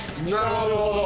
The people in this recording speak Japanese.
なるほど。